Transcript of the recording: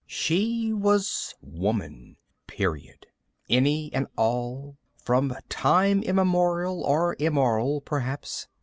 She was woman. Period. Any and all, from time immemorial, or immoral, perhaps.